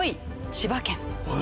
千葉県？